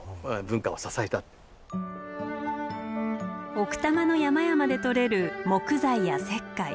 奥多摩の山々で採れる木材や石灰。